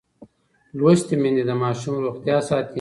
لوستې میندې د ماشوم روغتیا ساتي.